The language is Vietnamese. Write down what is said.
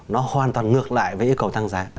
nó hoàn toàn ngược lại với yêu cầu tăng giá